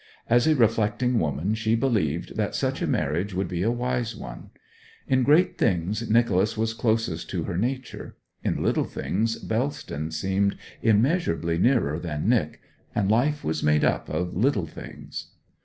As a reflecting woman she believed that such a marriage would be a wise one. In great things Nicholas was closest to her nature; in little things Bellston seemed immeasurably nearer than Nic; and life was made up of little things.